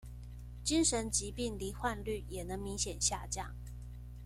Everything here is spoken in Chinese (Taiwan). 精神疾病罹患率也能明顯下降